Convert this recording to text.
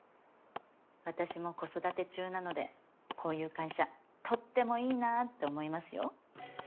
私も子育て中なのでこういう会社とってもいいなって思いますよ。